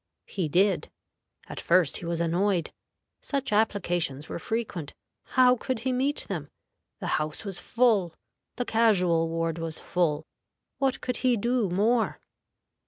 He did at first he was annoyed such applications were frequent how could he meet them? the house was full the casual ward was full what could he do more?